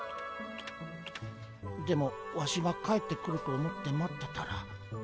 でもワシが帰ってくると思って待ってたら。